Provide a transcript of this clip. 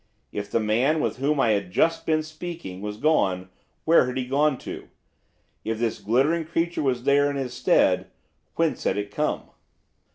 If the man, with whom I had just been speaking, was gone, where had he gone to? If this glittering creature was there, in his stead, whence had it come?